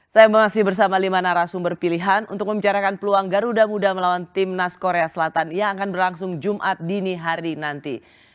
saya masih bersama lima narasumber pilihan untuk membicarakan peluang garuda muda melawan timnas korea selatan yang akan berlangsung jumat dini hari nanti